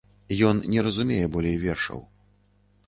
Ён не разумее болей вершаў.